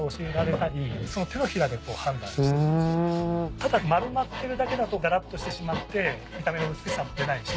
ただ丸まってるだけだとだらっとしてしまって見た目の美しさも出ないし。